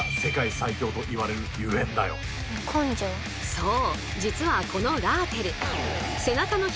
そう！